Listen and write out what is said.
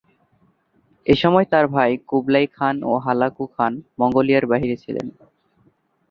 এসময় তার ভাই কুবলাই খান ও হালাকু খান মঙ্গোলিয়ার বাইরে ছিলেন।